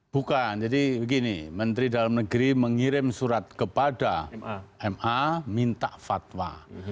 bukan jadi begini menteri dalam negeri mengirim surat kepada ma minta fatwa